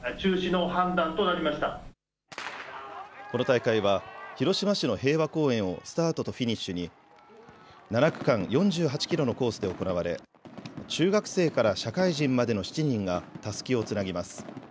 この大会は広島市の平和公園をスタートとフィニッシュに７区間・４８キロのコースで行われ中学生から社会人までの７人がたすきをつなぎます。